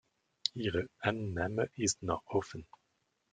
Ihre Annahme ist noch offen.